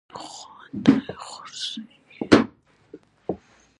خو ته يې خورزه يې.